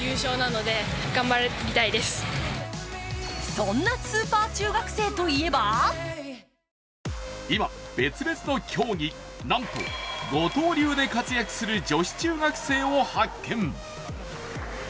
そんなスーパー中学生といえば今、別々の競技、なんと五刀流で活躍する女子中学生を発見。